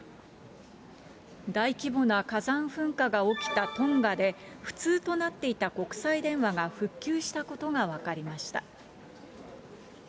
大規模な火山噴火が起きたトンガで、不通となっていた国際電話が復旧したことが分かりました。